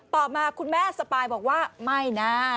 ต่อมาคุณแม่สปายบอกว่าไม่นะ